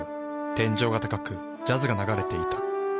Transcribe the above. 天井が高くジャズが流れていた。